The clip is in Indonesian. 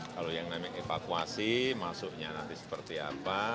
kalau yang namanya evakuasi masuknya nanti seperti apa